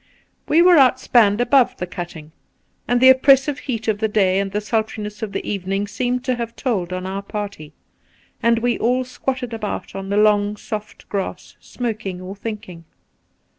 We were outspanned above the cutting, and the oppressive heat of the day and the sultriness of the evening seemed to have told on our party, and we were all squatted about on the long soft grass, smoking or thinking.